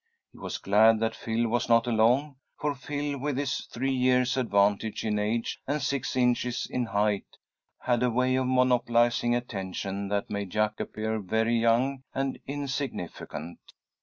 He was glad that Phil was not along, for Phil, with his three years' advantage in age and six inches in height, had a way of monopolizing attention that made Jack appear very young and insignificant.